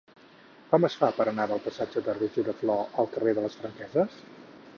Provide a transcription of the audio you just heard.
Com es fa per anar del passatge de Roger de Flor al carrer de les Franqueses?